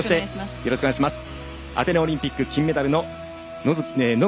よろしくお願いします。